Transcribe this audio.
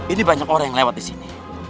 ini banyak orang yang lewat di sini